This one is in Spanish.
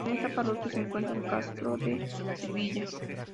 En esta parroquia se encuentra el Castro de Elviña.